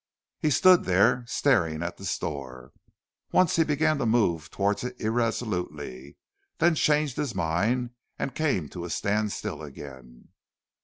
He stood there staring at the store. Once he began to move towards it irresolutely, then changed his mind and came to a standstill again.